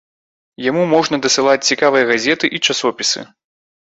Яму можна дасылаць цікавыя газеты і часопісы.